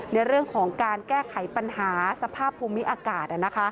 ในเรื่องของการแก้ไขปัญหาสภาพภูมิอากาศ